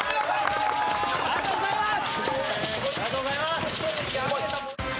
ありがとうございます。